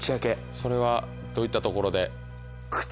それはどういったところで？